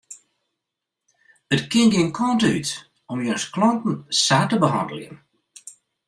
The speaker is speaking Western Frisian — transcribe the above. It kin gjin kant út om jins klanten sa te behanneljen.